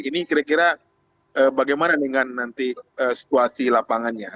ini kira kira bagaimana dengan nanti situasi lapangannya